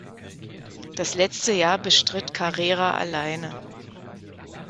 Das letzte Jahr bestritt Carrera alleine.